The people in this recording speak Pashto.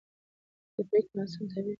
د پرېکړو ناسم تعبیر اختلاف جوړوي